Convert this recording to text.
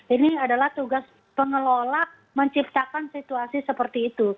ini adalah tugas pengelola menciptakan situasi seperti itu